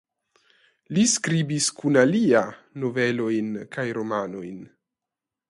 Li skribis kun alia novelojn kaj romanojn.